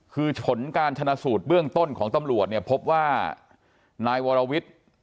คือผลการชนะสูตรเบื้องต้นของตำรวจเนี่ยพบว่านายวรวิทย์